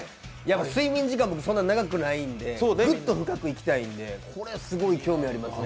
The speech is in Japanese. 睡眠時間もそんなに長くないんでグッと深くいきたいんでこれすごく興味ありますね。